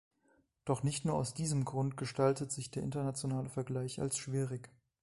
Doch nicht nur aus diesem Grund gestaltet sich der internationale Vergleich als schwierig.